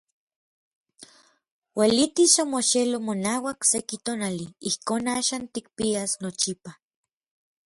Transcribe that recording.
Uelitis omoxeloj monauak seki tonali ijkon axan tikpias nochipa.